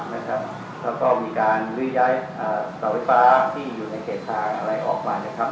แล้วก็มีการลื้อย้ายเสาไฟฟ้าที่อยู่ในเขตทางอะไรออกมานะครับ